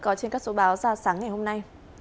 có trên các số báo ra sáng ngày hôm nay